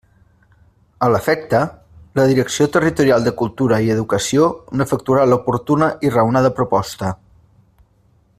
A l'efecte, la Direcció Territorial de Cultura i Educació n'efectuarà l'oportuna i raonada proposta.